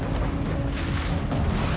kita harus ke rumah